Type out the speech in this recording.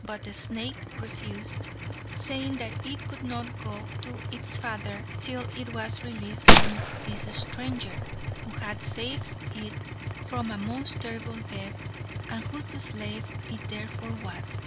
But the snake refused, saying that it could not go to its father till it was released from this stranger, who had saved it from a most terrible death, and whose slave it therefore was.